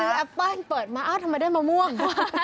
ซื้อแอปปั้นเปิดมาทำไมได้มะม่วง